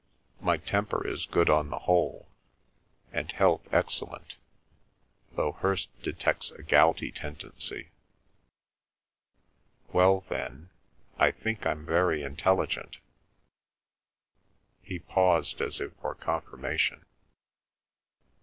"My temper is good on the whole, and health excellent, though Hirst detects a gouty tendency. Well, then, I think I'm very intelligent." He paused as if for confirmation.